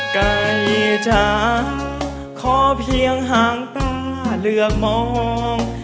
ไก่จ๋าขอเพียงหางตาเลือกมอง